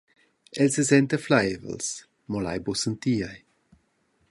El sesenta fleivels, mo lai buca sentir ei.